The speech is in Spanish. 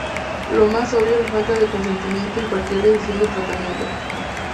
Lo más obvio es la falta de consentimiento en cualquier decisión de tratamiento.